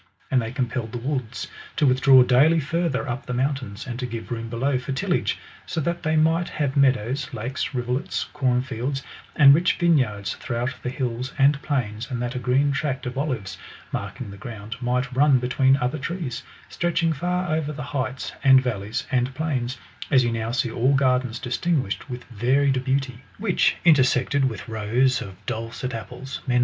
And they com pelled the woods to withdraw daily farther up the mountains, and to give room below for tillage ; so that they might have meadows, lakes, rivulets, corn fields, and rich vineyards throughout the hills and plains, and that a green tract of olives, marking the ground, might run between other trees, stretching far over the heights, and valleys, and plains ; as you now see all gardens distinguished with varied beauty, * But they were willing to adopt, 4^''.] Ver.